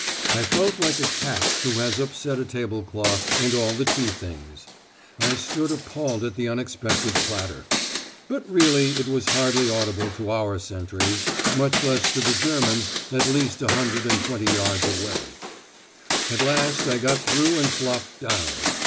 I felt like a cat who has upset a tablecloth and all the tea things. I stood appalled at the unexpected clatter. But really it was hardly audible to our sentries, much less to the Germans at least a hundred and twenty yards away. At last I got through and flopped down.